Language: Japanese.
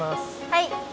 はい。